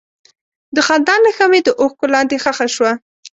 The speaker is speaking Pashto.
د خندا نښه مې د اوښکو لاندې ښخ شوه.